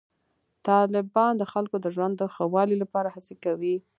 طالبان د خلکو د ژوند د ښه والي لپاره هڅې کوي.